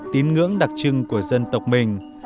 tín ngưỡng đặc trưng của dân tộc mình